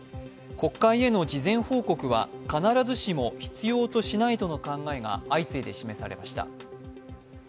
国会への事前報告は必ずしも必要としないとの考えが相次いで示されました。